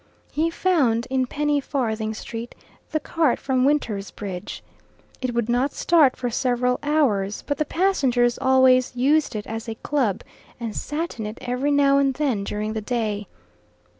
He found, in Penny Farthing Street, the cart from Wintersbridge. It would not start for several hours, but the passengers always used it as a club, and sat in it every now and then during the day.